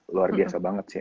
luar biasa banget sih